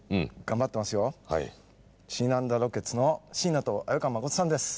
シーナ＆ロケッツのシーナと鮎川誠さんです。